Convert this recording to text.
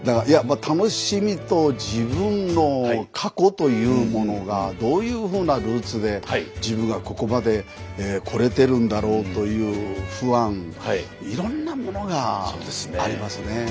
いやまあ楽しみと自分の過去というものがどういうふうなルーツで自分がここまで来れてるんだろうという不安いろんなものがありますね。